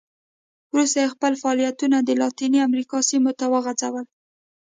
وروسته یې خپل فعالیتونه د لاتینې امریکا سیمو ته وغځول.